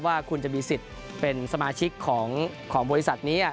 ว่าคุณจะมีสิทธิ์เป็นสมาชิกของบริษัทนี้